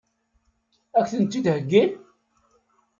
Ad k-ten-id-heggin?